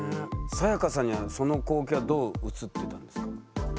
サヤカさんにはその光景はどう映ってたんですか？